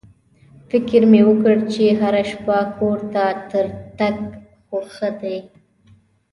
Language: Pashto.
فکر مې وکړ چې هره شپه کور ته تر تګ خو ښه دی.